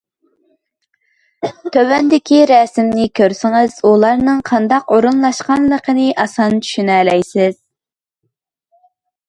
تۆۋەندىكى رەسىمنى كۆرسىڭىز ئۇلارنىڭ قانداق ئورۇنلاشقانلىقىنى ئاسان چۈشىنەلەيسىز.